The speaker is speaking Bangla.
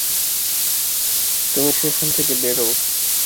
তুমি সেখান থেকে বেরোও।